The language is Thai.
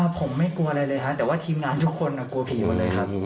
ผมไม่กลัวอะไรเลยเพราะว่าทีมงานทุกคนมันกลัวผีกันเลยครัน